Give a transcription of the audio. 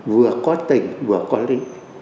vừa có tình vừa có lý